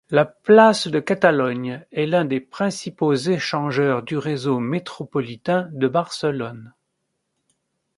La place de Catalogne est l'un des principaux échangeurs du réseaux métropolitain de Barcelone.